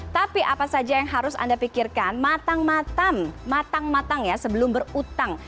tapi apa saja yang harus anda pikirkan matang matang matang matang ya sebelum berutang